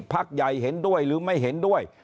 พักใหญ่เห็นด้วยหรือไม่เห็นด้วย